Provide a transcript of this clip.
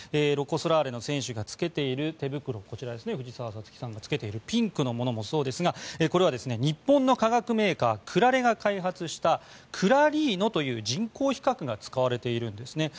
ロコ・ソラーレの選手がつけている手袋こちらですね藤澤五月さんがつけているピンクのものもそうですがこれは、日本の化学メーカークラレが開発したクラリーノという人工皮革が使われているんです。